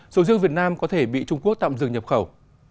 sầu riêng việt nam có thể bị trung quốc tạm dừng nhập khẩu